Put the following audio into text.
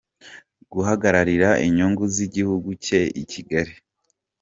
guhagarira inyungu z’igihugu cye i Kigali.